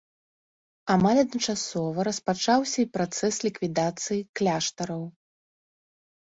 Амаль адначасова распачаўся і працэс ліквідацыі кляштараў.